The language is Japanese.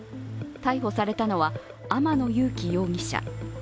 逮捕されたのは天野裕樹容疑者。